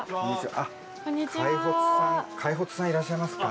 開發さんいらっしゃいますか？